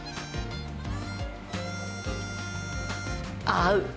合う。